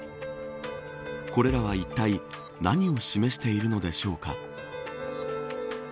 これらはいったい何を示しているのでしょうか。